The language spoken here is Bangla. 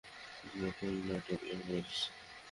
নতুন নাটক, এমএস।